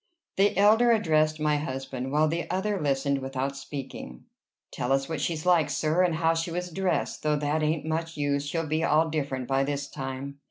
The elder addressed my husband, while the other listened without speaking. "Tell us what she's like, sir, and how she was dressed though that ain't much use. She'll be all different by this time."